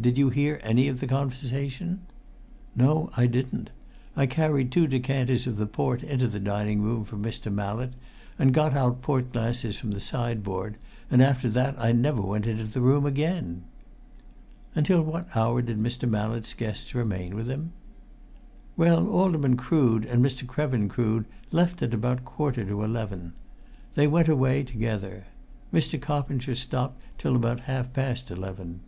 Did you hear any of the conversation?" "No, I didn't. I carried two decanters of the port into the dining room for Mr. Mallett, and got out port glasses from the sideboard, and after that I never went into the room again." "Until what hour did Mr. Mallett's guests remain with him?" "Well, Alderman Crood and Mr. Krevin Crood left at about a quarter to eleven. They went away together. Mr. Coppinger stopped till about half past eleven."